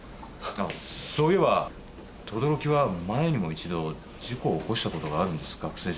そういえば等々力は前にも一度事故を起こしたことがあるんです学生時代に。